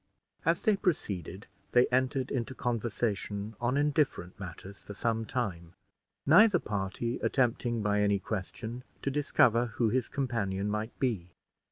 As they proceeded, they entered into conversation on indifferent matters for some time, neither party attempting by any question to discover who his companion might be.